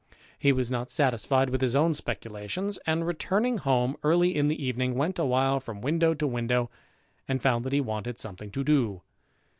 He was not satisfied with his own speculations, and, returning home early in the evening, went a while from window to window, and found that he wanted something to do.